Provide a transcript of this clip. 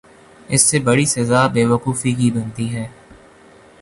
اس سے بڑی سزا بے وقوفی کی بنتی ہے۔